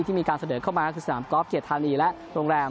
มีการเสนอเข้ามาก็คือสนามกอล์ฟเกียรติธานีและโรงแรม